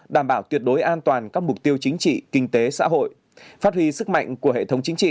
đảm bảo tuyệt đối an toàn các mục tiêu chính trị kinh tế xã hội phát huy sức mạnh của hệ thống chính trị